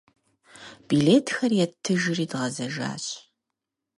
Билетхэр еттыжри дгъэзэжащ.